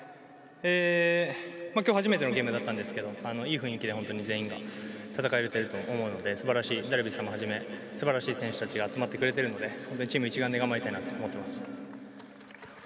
今日、初めてのゲームだったんですけどいい雰囲気で全員が戦えてると思うのでダルビッシュさんをはじめ素晴らしい選手が集まってくれているのでチーム一丸で頑張りたいと思っています。